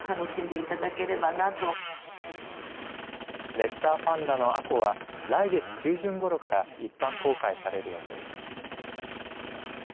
レッサーパンダの杏香は来月中旬ごろから一般公開される予定です。